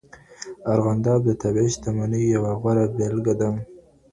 ارغنداب د طبیعي شتمنیو یوه غوره بیلګه ده.